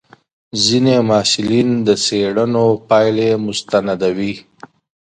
ځینې محصلین د څېړنو پایلې مستندوي.